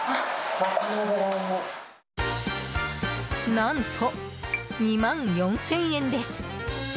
何と、２万４０００円です。